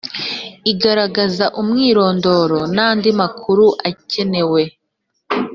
igaragaza umwirondoro nandi makuru akenewe